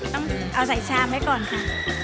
ต้องเอาใส่ชามไว้ก่อนค่ะ